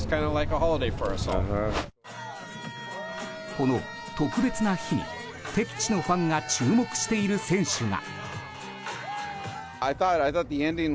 この特別な日に敵地のファンが注目している選手が。